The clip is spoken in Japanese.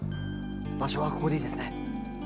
場所はここでいいですね〕